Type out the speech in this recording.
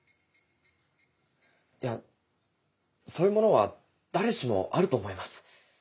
いやそういうものは誰しもあると思います。